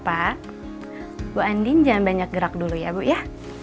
pak bu andi jangan banyak gerak dulu ya bu ya